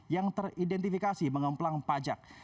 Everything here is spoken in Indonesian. yang teridentifikasi pengemplang pajak